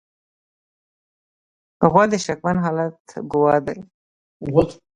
غول د شکمن حالت ګواه دی.